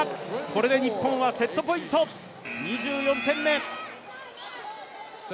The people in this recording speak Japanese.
これで日本はセットポイント、２４点目。